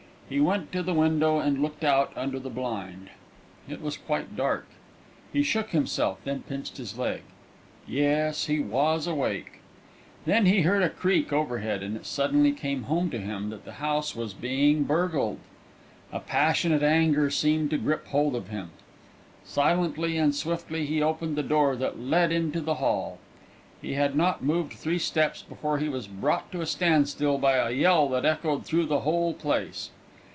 He went to the window and looked out under the blind. It was quite dark. He shook himself, then pinched his leg. Yes, he was awake. Then he heard a creak overhead, and it suddenly came home to him that the house was being burgled. A passionate anger seemed to grip hold of him. Silently and swiftly he opened the door that led into the hall. He had not moved three steps before he was brought to a standstill by a yell that echoed through the whole place.